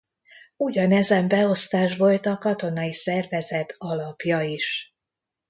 Ugyanezen beosztás volt a katonai szervezet alapja is.